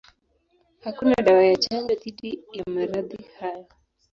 Hakuna dawa ya chanjo dhidi ya maradhi hayo.